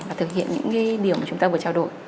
và thực hiện những điều mà chúng ta vừa trao đổi